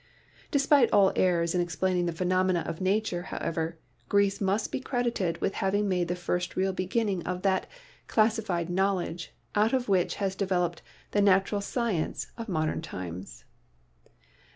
Despite all errors in explaining the phenomena of nature, however, Greece must be credited with having made the first real beginning of that "classified knowledge" out of which has developed the natural science of modern times.